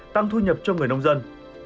tăng thu nhập cho người nông dân